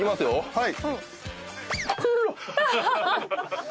はい。